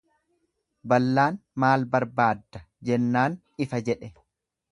Ballaan maal barbaadda jennaan ifa jedhe.